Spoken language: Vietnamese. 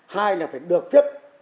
hai là phải được phép